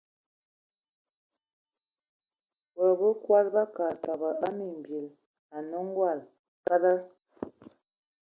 Bod bəkɔs bakad kə batɔbɔ a mimbil anə:ngɔl, kada.